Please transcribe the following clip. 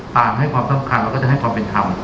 ให้ความสำคัญเราก็จะให้ความเป็นธรรม